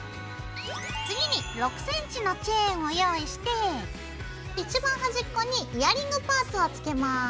次に６ｃｍのチェーンを用意していちばん端っこにイヤリングパーツをつけます。